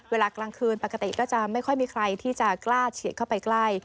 เวลากลางคืนปกติก็จะไม่ค่อยมีใครที่จะกล้าเฉียดเข้าไปใกล้